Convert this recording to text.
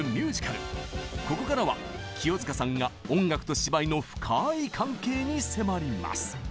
ここからは清塚さんが音楽と芝居の深い関係に迫ります。